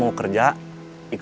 untuk membangun diri